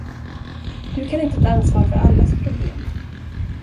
Du kan inte ta ansvar för allas problem.